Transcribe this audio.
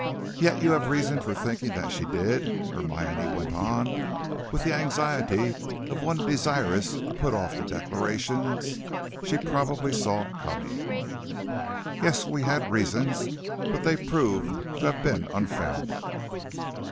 "Yet you had reason for thinking that she did," Hermione went on, with the anxiety of one desirous to put off the declaration she probably saw coming. "Yes; we had reasons, but they prove to have been unfounded."